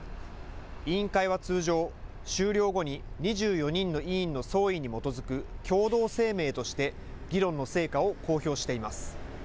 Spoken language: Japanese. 委員会は通常、終了後に２４人の委員の総意に基づく共同声明として議論の成果を公表しています。